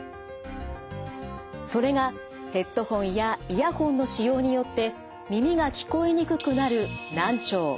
それがヘッドホンやイヤホンの使用によって耳が聞こえにくくなる難聴。